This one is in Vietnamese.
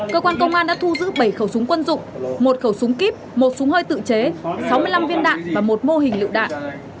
cơ quan công an đã thu giữ bảy khẩu súng quân dụng một khẩu súng kíp một súng hơi tự chế sáu mươi năm viên đạn và một mô hình lựu đạn